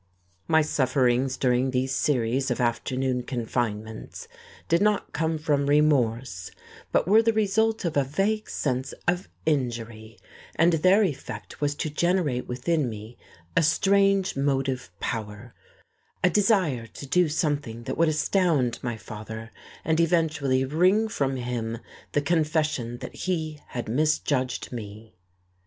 My sufferings during these series of afternoon confinements did not come from remorse, but were the result of a vague sense of injury; and their effect was to generate within me a strange motive power, a desire to do something that would astound my father and eventually wring from him the confession that he had misjudged me.